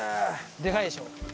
でかいでしょ？